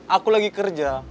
aku lagi kerja